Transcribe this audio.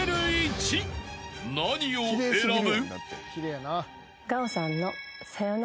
［何を選ぶ？］